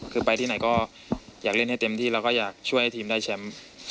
คือไปที่ไหนก็อยากเล่นให้เต็มที่แล้วก็อยากช่วยให้ทีมได้แชมป์